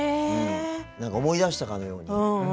思い出したかのように。